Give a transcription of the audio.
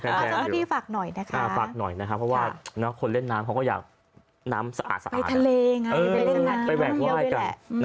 อ้าวซอมพี่ฝากหน่อยนะคะฝากหน่อยนะคะ